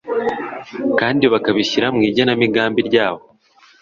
kandi bakabishyira mu igenamigambi ryabo